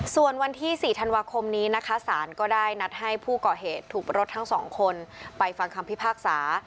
ส่วนวันที่๔ธันวาคมนี้นะคะสารก็ได้นัดให้ผู้ก่อเหตุถูกรถทั้งสองคนไปฟังคำพิพากษา